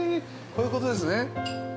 こういうことですね。